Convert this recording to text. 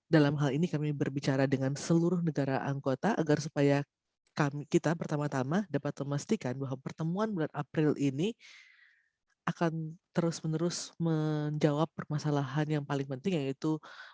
dalam hal ini kami berbicara dengan seluruh negara anggota agar supaya kita pertama tama dapat memastikan bahwa pertemuan bulan april ini akan terus menerus menjawab permasalahan yang paling penting yaitu